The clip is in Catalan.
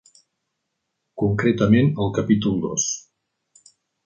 Concretament al capítol dos.